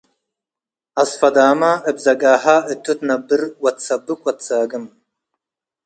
አሰፈዳመ እብ ዘጋሀ እቱ ትነብር ወትሰብክ ወትሳግም ።